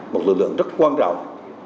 một lực lượng rất quan trọng